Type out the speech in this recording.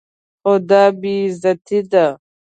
خو دا بې غيرتي ده.